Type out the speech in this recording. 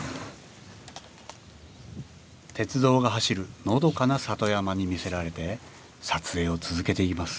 鉄道が走るのどかな里山に魅せられて撮影を続けています